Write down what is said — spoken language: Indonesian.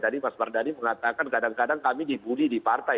tadi mas mardani mengatakan kadang kadang kami dibudi di partai